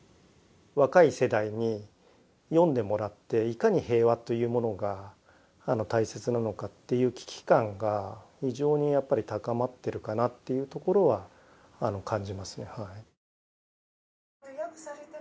若い世代に読んでもらっていかに平和というものが大切なのかっていう危機感が非常にやっぱり高まっているかなっていうところは感じますね。